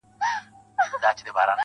• زړه لکه هينداره ښيښې گلي.